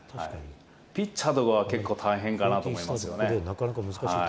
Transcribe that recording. ピッチャーとかは結構大変かなと思いますね。